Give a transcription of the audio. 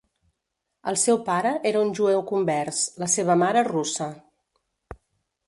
El seu pare era un jueu convers, la seva mare russa.